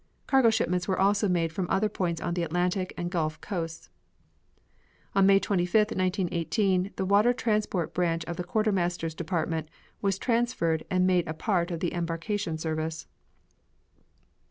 Cargo shipments were also made from other ports on the Atlantic and Gulf coasts. On May 25, 1918, the water transport branch of the Quartermaster's Department was transferred and made a part of the Embarkation Service.